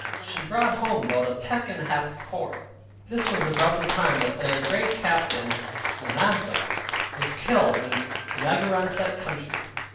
She brought home about a peck and half of corn. This was about the time that their great captain, Naananto, was killed in the Narragansett country.